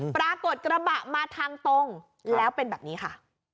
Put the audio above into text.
กระบะมาทางตรงแล้วเป็นแบบนี้ค่ะ